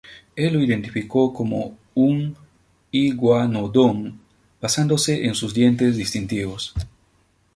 Él lo identificó como de un "Iguanodon" basándose en sus dientes distintivos.